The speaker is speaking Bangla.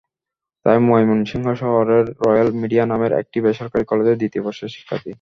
তাঁরা ময়মনসিংহ শহরের রয়েল মিডিয়া নামের একটি বেসরকারি কলেজের দ্বিতীয় বর্ষের শিক্ষার্থী।